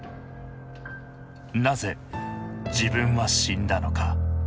なぜ自分は死んだのか。